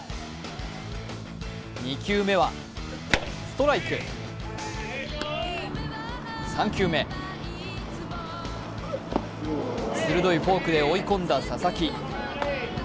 ２球目はストライク３球目、鋭いフォークで追い込んだ佐々木。